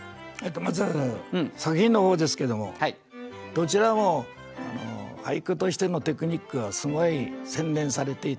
まず作品の方ですけどもどちらも俳句としてのテクニックがすごい洗練されていてね